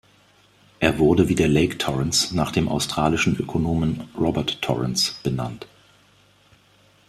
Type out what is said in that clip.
Er wurde wie der Lake Torrens nach dem australischen Ökonomen Robert Torrens benannt.